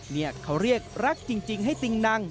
นี่เขาเรียกรักจริงให้ติงนัง